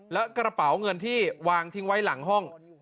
และกระเป๋าเงินที่วางทิ้งไว้หลังห้อง